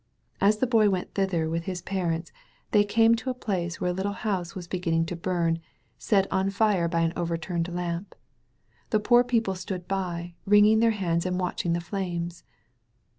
As the Boy went thither with his parents 274 THE BOY OF NAZARETH DREAMS they came to a place where a little house was be ginning to bum» set on fire by an overturned lamp. The poor people stood by» wringing their hands and watching the flames.